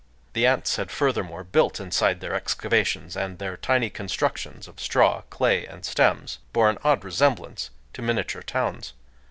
The ants had furthermore built inside their excavations; and their tiny constructions of straw, clay, and stems bore an odd resemblance to miniature towns.